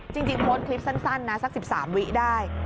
จริงโพสต์คลิปสั้นนะสัก๑๓วิได้